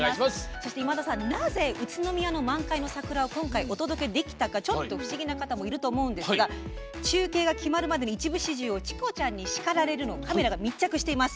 そして、なぜ宇都宮の満開の桜を今回お届けできたのか不思議な方がいると思うんですが中継が決まるまでの一部始終を「チコちゃんに叱られる！」のカメラが密着しています。